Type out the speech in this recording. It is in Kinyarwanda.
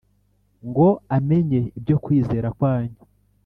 ngo amenye ibyo kwizera kwanyu